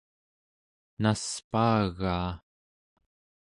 naspaagaa